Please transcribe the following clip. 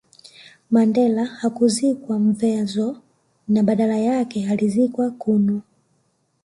Mandela hakuzikwa Mvezo na badala yake alizikwa Qunu